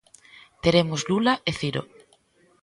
Teremos Lula e Ciro.